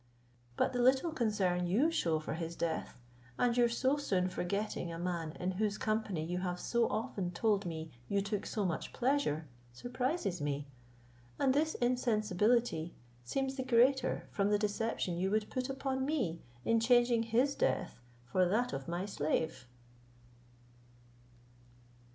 But the little concern you shew for his death, and your so soon forgetting a man in whose company you have so often told me you took so much pleasure, surprises me; and this insensibility seems the greater, from the deception you would put upon me in changing his death for that of my slave."